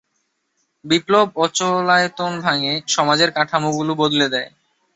বিপ্লব অচলায়তন ভাঙে, সমাজের কাঠামোগুলো বদলে দেয়।